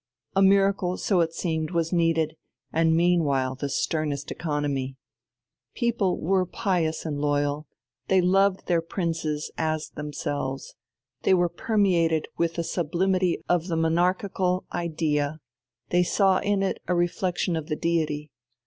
A miracle, so it seemed, was needed and meanwhile the sternest economy. The people were pious and loyal, they loved their princes as themselves, they were permeated with the sublimity of the monarchical idea, they saw in it a reflexion of the Deity.